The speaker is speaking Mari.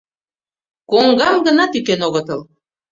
Коҥгам гына тӱкен огытыл.